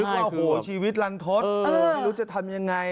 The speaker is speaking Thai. คงนึกว่าชีวิตลันทศไม่รู้จะทำยังไง